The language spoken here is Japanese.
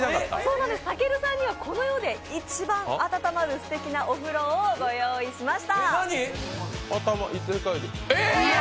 たけるさんには、この世で一番温まるすてきなお風呂をご用意しました。